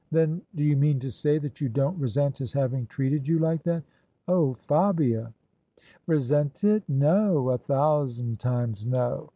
" Then do you mean to say that you don't resent his having treated you like that? Oh, Fabia! "'* Resent it? No; a thousand times no!